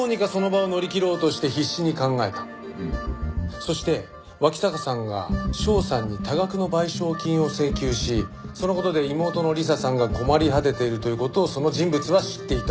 そして脇坂さんが翔さんに多額の賠償金を請求しその事で妹の理彩さんが困り果てているという事をその人物は知っていた。